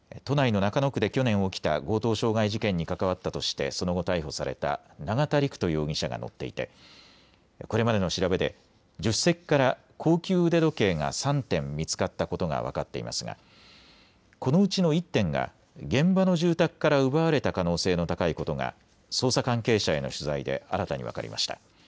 中野区で去年、起きた強盗傷害事件に関わったとしてその後、逮捕された永田陸人容疑者が乗っていてこれまでの調べで助手席から高級腕時計が３点見つかったことが分かっていますがこのうちの１点が現場の住宅から奪われた可能性の高いことが捜査関係者への取材で新たに分かりました。